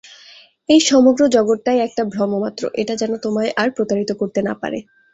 এই সমগ্র জগৎটাই একটা ভ্রমমাত্র, এটা যেন তোমায় আর প্রতারিত করতে না পারে।